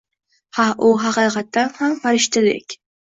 Ha, u haqiqatan ham farishtadek.